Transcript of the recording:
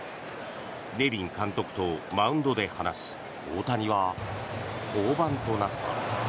ネビン監督とマウンドで話し大谷は降板となった。